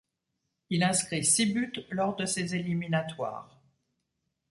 Il inscrit six buts lors de ces éliminatoires.